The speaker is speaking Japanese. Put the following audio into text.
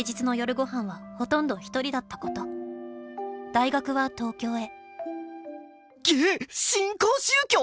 「大学は東京へ」。